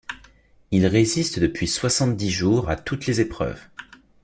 Il résiste depuis soixante-dix jours à toutes les épreuves